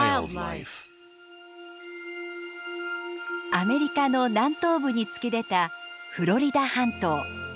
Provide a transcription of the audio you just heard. アメリカの南東部に突き出たフロリダ半島。